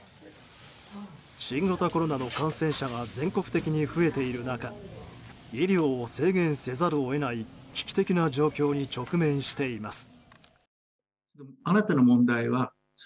新型コロナの感染者が全国的に増えている中医療を制限せざるを得ない危機的な状況に直面しています。